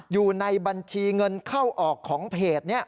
อยู่ในบัญชีเงินเข้าออกของเพจ